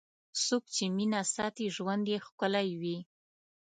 څوک چې مینه ساتي، ژوند یې ښکلی وي.